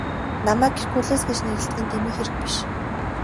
Намайг Геркулес гэж нэрлэдэг нь дэмий хэрэг биш.